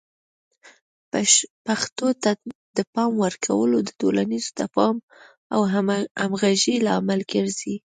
پښتو ته د پام ورکول د ټولنیز تفاهم او همغږۍ لامل ګرځي.